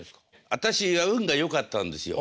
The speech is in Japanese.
私が運がよかったんですよ。